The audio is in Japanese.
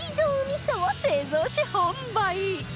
みそを製造し販売